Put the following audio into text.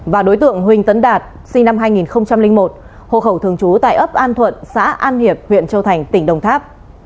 và đối tượng huỳnh tấn đạt sinh năm hai nghìn một hồ khẩu thường trú tại ấp an thuận xã an hiệp huyện châu thành tỉnh đồng tháp